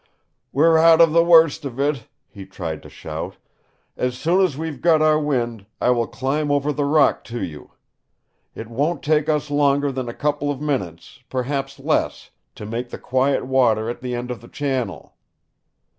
"We're out of the worst of it," he tried to shout. "As soon as we've got our wind, I will climb over the rock to you. It won't take us longer than a couple of minutes, perhaps less, to make the quiet water at the end of the channel."